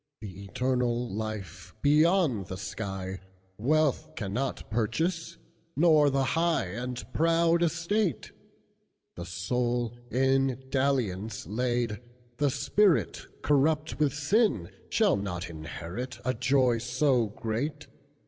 "The eternal life, beyond the sky, Wealth cannot purchase, nor the highAnd proud estate; The soul in dalliance laid, the spiritCorrupt with sin, shall not inheritA joy so great.